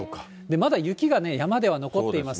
まだ雪が山では残っています。